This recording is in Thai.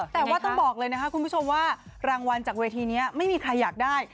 แต่ว่าต้องบอกเลยนะคะคุณผู้ชมว่ารางวัลจากเวทีนี้ไม่มีใครอยากได้